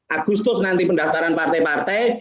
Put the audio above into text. agustus nanti pendaftaran partai partai